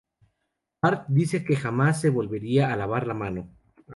Bart dice que jamás se volvería a lavar la mano.